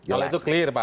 kalau itu clear pak